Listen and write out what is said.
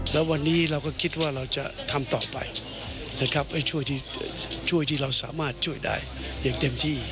แล้ววันนี้เราก็คิดว่าเราจะทำต่อไปนะครับช่วยที่เราสามารถช่วยได้อย่างเต็มที่